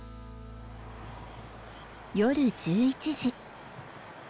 夜１１時。